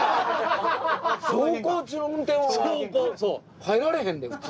走行中の運転は入られへんで普通。